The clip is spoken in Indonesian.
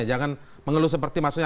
jangan mengeluh seperti maksudnya